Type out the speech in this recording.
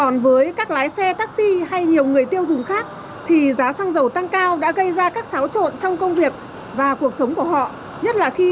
nhất là khi diễn ra các bộ phòng chống dịch